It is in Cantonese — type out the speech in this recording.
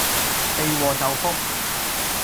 避禍就福